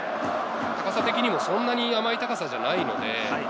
高さ的にもそんなに甘い高さじゃないので。